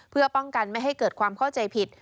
เพื่อป้องกันไม่ให้เกิดความเข้าใจผิด